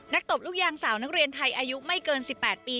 ตบลูกยางสาวนักเรียนไทยอายุไม่เกิน๑๘ปี